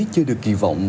chưa được kỳ vọng